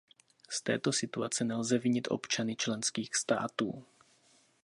Z této situace nelze vinit občany členských států.